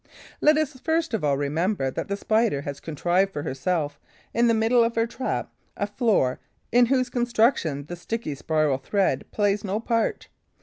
Let us first of all remember that the Spider has contrived for herself, in the middle of her trap, a floor in whose construction the sticky spiral thread plays no part.